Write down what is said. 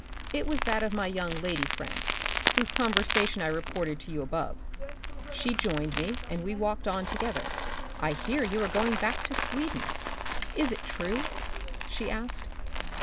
It was that of my young lady friend, whose conversation I reported to you above. She joined me and we walked on together. " I hear you are going back to Sweden ; is it true ?she asked.